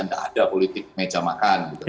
tidak ada politik meja makan